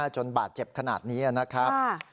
จนบาดเจ็บขนาดนี้นะครับ